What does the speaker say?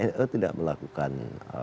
nu tidak melakukan